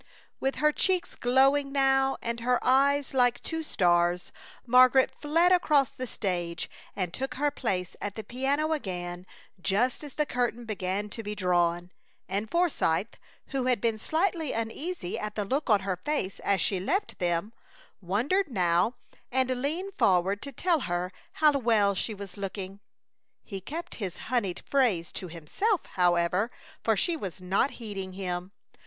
With her cheeks glowing now, and her eyes like two stars, Margaret fled across the stage and took her place at the piano again, just as the curtain began to be drawn; and Forsythe, who had been slightly uneasy at the look on her face as she left them, wondered now and leaned forward to tell her how well she was looking. He kept his honeyed phrase to himself, however, for she was not heeding him.